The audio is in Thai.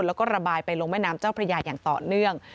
แล้วก็ระบายไปลงแม่น้ำเจ้าพระยาอย่างต่อเนื่อง